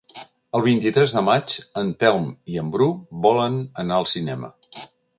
El vint-i-tres de maig en Telm i en Bru volen anar al cinema.